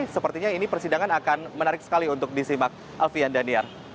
sepertinya ini persidangan akan menarik sekali untuk disimak alfian daniar